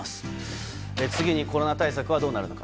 次にコロナ対策はどうなるか。